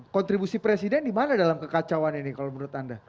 kontribusi presiden di mana dalam kekacauan ini kalau menurut anda